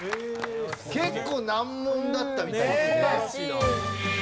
結構難問だったみたいですね。